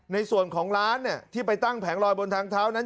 ในส่วนของร้านที่ไปตั้งแผงลอยบนทางเท้านั้น